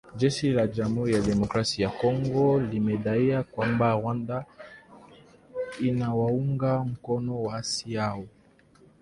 Jeshi la jamhuri ya kidemokrasia ya Kongo limedai kwamba Rwanda inawaunga mkono waasi hao